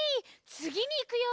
つぎにいくよ！